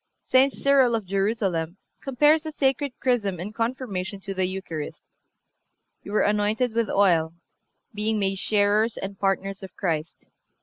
(360) St. Cyril of Jerusalem compares the sacred Chrism in Confirmation to the Eucharist: "You were anointed with oil, being made sharers and partners of Christ.